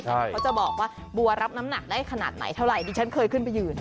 เขาจะบอกว่าบัวรับน้ำหนักได้ขนาดไหนเท่าไหร่ดิฉันเคยขึ้นไปยืน